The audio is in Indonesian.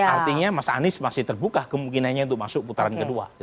artinya mas anies masih terbuka kemungkinannya untuk masuk putaran kedua